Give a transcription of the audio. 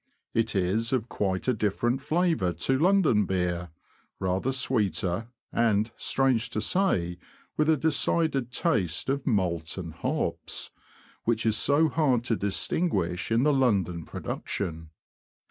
It is of quite a different flavour to London beer — rather sweeter, and, strange to say, with a decided taste of malt and hops, which it is so hard to distinguish in the London pro duction.